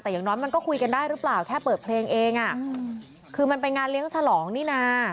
แต่อย่างน้อยมันก็คุยกันได้หรือเปล่าแค่เปิดเพลงเองอ่ะคือมันเป็นงานเลี้ยงฉลองนี่นะ